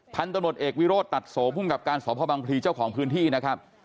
พันธุ์ตำรวจเอกวิโรธตัดโสภูมิกับการสพบังพลีเจ้าของพื้นที่นะครับ